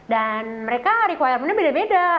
mereka requirementnya beda beda